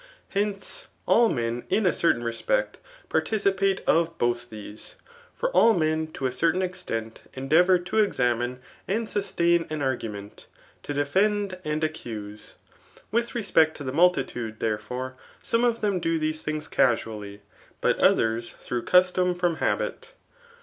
Heiioe, all men .in a. certain respect participate of both these ^ for all men to a certain extent endeavour to examine and sustain an aigumentj to defend and accuse. With respect to the multitude, therefore, some. of them do these things casually } but others through custom from habit.